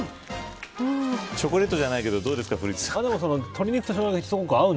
チョコレートじゃないけどどうですか古市さん。